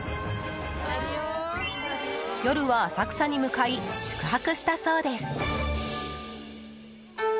夜は浅草に向かい宿泊したそうです。